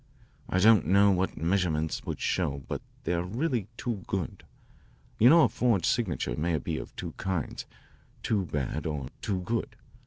"I don't know what measurements would show, but they are really too good. You know a forged signature may be of two kinds too bad or too good.